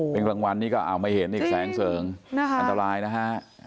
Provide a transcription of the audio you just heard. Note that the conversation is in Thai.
เป็นกลางวันนี้ก็อ้าวไม่เห็นอีกแสงเสริงอันตรายนะฮะ